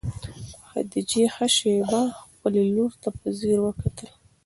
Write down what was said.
خدیجې ښه شېبه خپلې لور ته په ځیر وکتل.